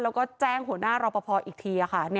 แล้วก็แจ้งหัวหน้ารอปภอีกทีค่ะ